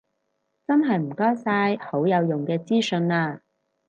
真係唔該晒，好有用嘅資訊啊